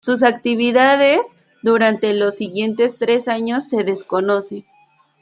Sus actividades durante los siguientes tres años se desconocen.